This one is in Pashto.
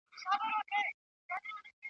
چي سودا کوې په څېر د بې عقلانو ..